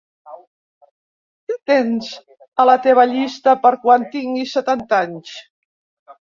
Què tens a la teva llista per quan tinguis setanta anys?